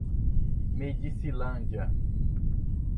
Medicilândia